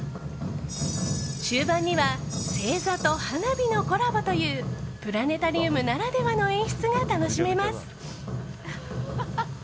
終盤には星座と花火のコラボというプラネタリウムならではの演出が楽しめます。